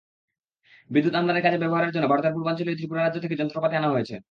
বিদ্যুৎ আমদানির কাজে ব্যবহারের জন্য ভারতের পূর্বাঞ্চলীয় ত্রিপুরা রাজ্য থেকে যন্ত্রপাতি আনা হয়েছে।